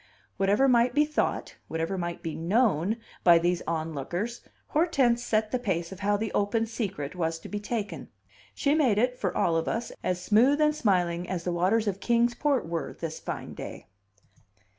Whatever might be thought, whatever might be known, by these onlookers, Hortense set the pace of how the open secret was to be taken. She made it, for all of us, as smooth and smiling as the waters of Kings Port were this fine day.